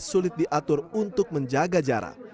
sulit diatur untuk menjaga jarak